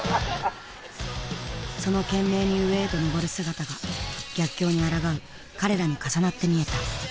その懸命に上へと登る姿が逆境にあらがう彼らに重なって見えた。